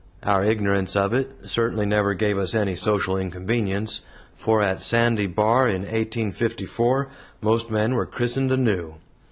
Our ignorance of it certainly never gave us any social inconvenience, for at Sandy Bar in 1854 most men were christened anew.